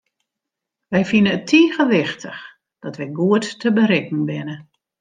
Wy fine it tige wichtich dat wy goed te berikken binne.